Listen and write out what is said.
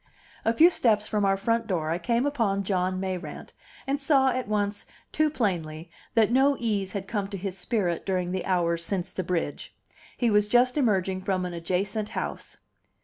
A few steps from our front door I came upon John Mayrant, and saw at once too plainly that no ease had come to his spirit during the hours since the bridge. He was just emerging from an adjacent house.